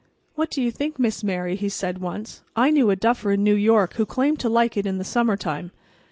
"What do you think, Miss Mary?" he said once. "I knew a duffer in New York who claimed to like it in the summer time.